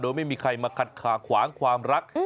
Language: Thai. โดยไม่มีใครมาขัดขาขวางความรัก